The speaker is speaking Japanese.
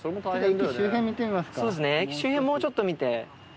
駅周辺をもうちょっと見て。